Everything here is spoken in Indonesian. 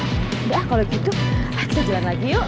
sudah kalau gitu kita jalan lagi yuk